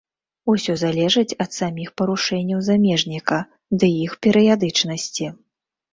Усё залежыць ад саміх парушэнняў замежніка ды іх перыядычнасці.